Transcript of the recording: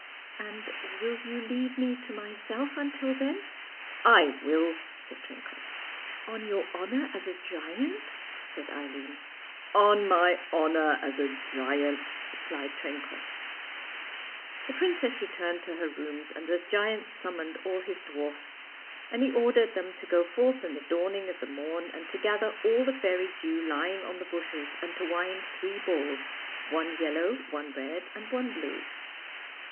" And will you leave me to myself until then? '" I will," said Trencoss. " On your honor as a giant? " said Eileen. " On my honor as a giant," replied Trencoss. The princess returned to her rooms, and the giant summoned all his dwarfs, and he ordered them to go forth in the dawning of the morn and to gather all the fairy dew lying on the bushes, and to wind three balls one yellow, one red, and one blue.